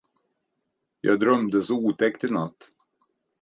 Jag drömde så otäckt inatt.